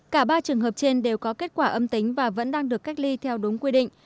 cả ba trường hợp trên đều có kết quả âm tính và vẫn đang được cách ly theo đúng quy định